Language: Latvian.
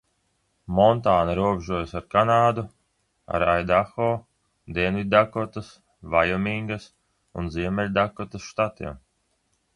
Montāna robežojas ar Kanādu, ar Aidaho, Dienviddakotas, Vaiomingas un Ziemeļdakotas štatiem.